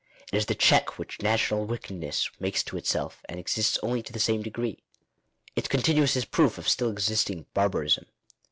It is the check which national wickedness makes to itself and exists only to the same degree. Its continuance is proof of still existing barbarism.